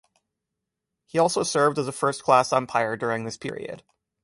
He also served as a first-class umpire during this period.